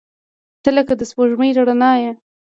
• ته لکه د سپوږمۍ رڼا یې.